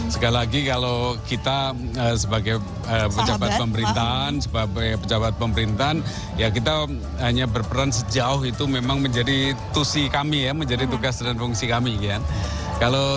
sekali lagi kalau kita sebagai pejabat pemerintahan sebagai pejabat pemerintahan ya kita hanya berperan sejauh itu memang menjadi tusi kami ya menjadi tugas dan fungsi kami